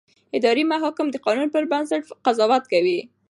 اداري محاکم د قانون پر بنسټ قضاوت کوي.